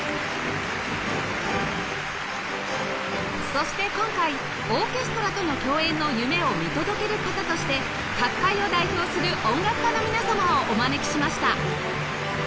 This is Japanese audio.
そして今回オーケストラとの共演の夢を見届ける方として各界を代表する音楽家の皆様をお招きしました